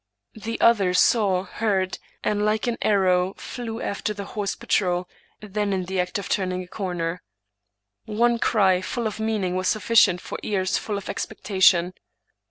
The other saw, heard, and like an arrow flew after the horse patrol, then in the act of turning the corner. One cry, full of meaning, was suSicient for ears full of expectation.